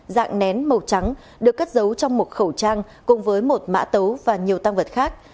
dạng nén màu trắng được cất giấu trong một khẩu trang cùng với một mã tấu và nhiều tăng vật khác